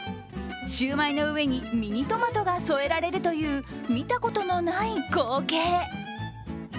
シュウマイの上にミニトマトが添えられるという見たことのない光景。